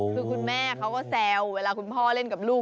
คือคุณแม่เขาก็แซวเวลาคุณพ่อเล่นกับลูก